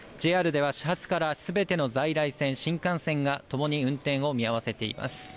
ＪＲでは始発からすべての在来線、新幹線がともに運転を見合わせています。